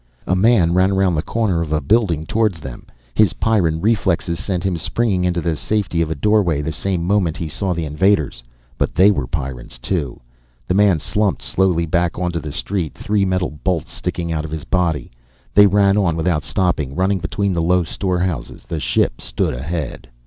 A man ran around the corner of a building towards them. His Pyrran reflexes sent him springing into the safety of a doorway the same moment he saw the invaders. But they were Pyrrans, too. The man slumped slowly back onto the street, three metal bolts sticking out of his body. They ran on without stopping, running between the low storehouses. The ship stood ahead.